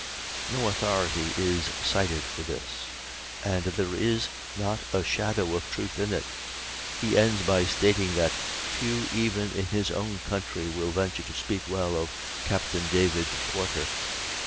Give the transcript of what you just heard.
No authority is cited for this, and there is not a shadow of truth in it. He ends by stating that "few even in his own country will venture to speak well of Captain David Porter."